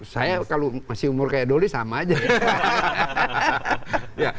saya kalau masih umur kayak doli sama aja ya